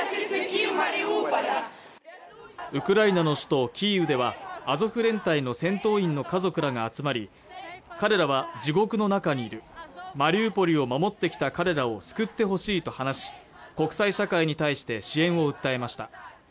ウクライナの首都キーウではアゾフ連隊の戦闘員の家族らが集まり彼らは地獄の中にいるマリウポリを守ってきた彼らを救ってほしいと話し国際社会に対して支援を訴えました